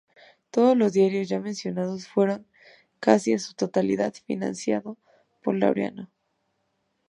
Todos los diarios ya mencionados fueron casi en su totalidad financiado por Laureano.